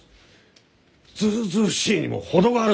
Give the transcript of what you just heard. ずずうずうしいにも程があるぞ！